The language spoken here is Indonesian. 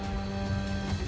harapan satu satunya narasi